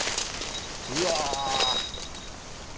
うわ。